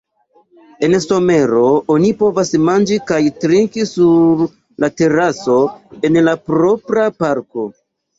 En somero oni povas manĝi kaj trinki sur la teraso en la propra parko.